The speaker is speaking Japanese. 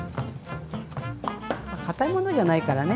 かたいものじゃないからね